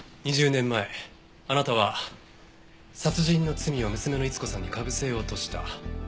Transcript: ２０年前あなたは殺人の罪を娘の逸子さんに被せようとした。